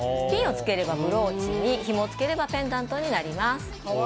ピンを付ければブローチにひもをつければペンダントになります。